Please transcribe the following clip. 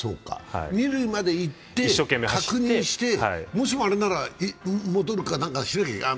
二塁まで行って確認して、もしもあれなら戻るか何かしなきゃいけない？